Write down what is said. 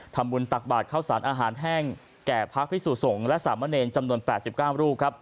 ทำบุญตักบาดข้าวสารอาหารแห้งแก่พระพิสุสงศ์และสามเณรจำนวน๘๙ลูก